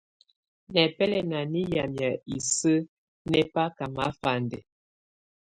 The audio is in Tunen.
Nɛbɛlɛna nɛ̀ yamɛ̀́á isǝ́ nɛ̀ baka mafandɛ.